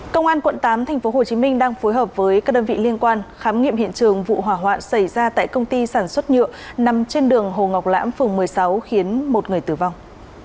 công an quận tám tp hcm đang phối hợp với các đơn vị liên quan khám nghiệm hiện trường vụ hỏa hoạn xảy ra tại công ty sản xuất nhựa nằm trên đường hồ ngọc lãm phường một mươi sáu khiến một người tử vong